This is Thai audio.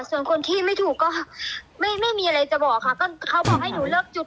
ส่วนคนที่ไม่ถูกก็ไม่ไม่มีอะไรจะบอกค่ะก็เขาบอกให้หนูเลิกจุด